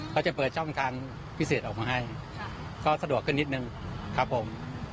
เขาจะเปิดช่องทางพิเศษออกมาให้ก็สะดวกขึ้นนิดนึงครับผม